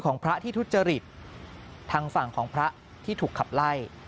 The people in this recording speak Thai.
พระที่ทุจริตทางฝั่งของพระที่ถูกขับไล่